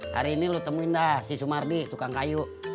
hari ini lu temuin dah si sumardi tukang kayu